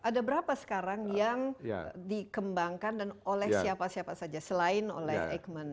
ada berapa sekarang yang dikembangkan dan oleh siapa siapa saja selain oleh eijkman